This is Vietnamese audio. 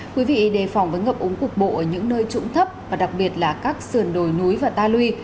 quý vị đề phòng với ngập úng cục bộ ở những nơi trũng thấp và đặc biệt là các sườn đồi núi và ta lui